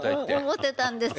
思ってたんです。